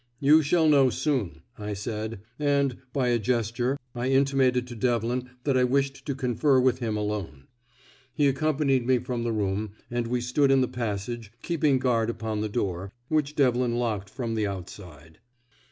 "You shall know soon," I said; and, by a gesture, I intimated to Devlin that I wished to confer with him alone. He accompanied me from the room, and we stood in the passage, keeping guard upon the door, which Devlin locked from the outside.